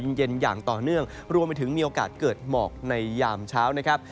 เย็นอย่างต่อเนื่องรวมไปถึงมีโอกาสเกิดหมอกในยามเช้านะครับ